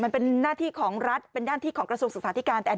มันเป็นหน้าที่ของรัฐเป็นหน้าที่ของกระทรวงศึกษาธิการ